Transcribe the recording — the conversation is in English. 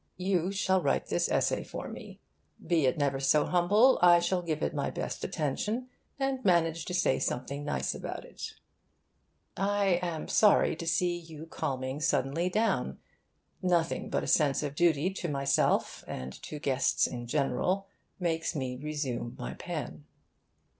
You shall write this essay for me. Be it never so humble, I shall give it my best attention and manage to say something nice about it. I am sorry to see you calming suddenly down. Nothing but a sense of duty to myself, and to guests in general, makes me resume my pen.